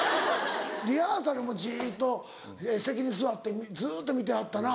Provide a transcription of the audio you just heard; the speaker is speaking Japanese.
リハーサルもじっと席に座ってずっと見てはったな。